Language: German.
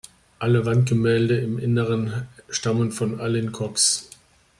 Alle Wandgemälde im Inneren stammen von Allyn Cox.